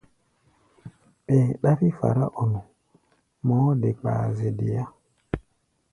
Ɛɛ ɗáfí fará-ɔ-nu, mɔɔ́ de kpaa zɛ deá.